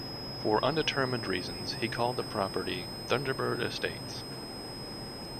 For undetermined reasons he called the property "Thunderbird Estates".